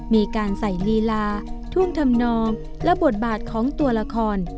มีการใส่ลีลาท่วงทำนองและบทบาทของตัวละคร